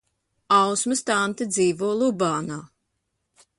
Ausmas tante dzīvo Lubānā.